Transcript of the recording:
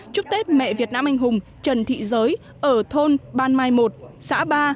chúc tết mẹ việt nam anh hùng trần thị giới ở thôn ban mai một xã ba